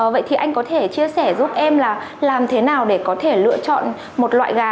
vậy thì anh có thể chia sẻ giúp em là làm thế nào để có thể lựa chọn một loại gà